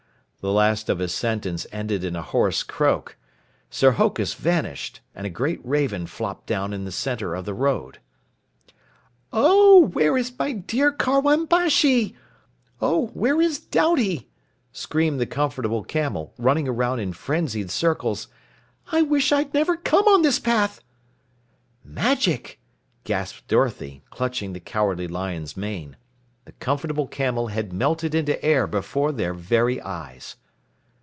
The last of his sentence ended in a hoarse croak. Sir Hokus vanished, and a great raven flopped down in the center of the road. "Oh, where is my dear Karwan Bashi? Oh, where is Doubty?" screamed the Comfortable Camel, running around in frenzied circles. "I wish I'd never come on this path!" "Magic!" gasped Dorothy, clutching the Cowardly Lion's mane. The Comfortable Camel had melted into air before their very eyes.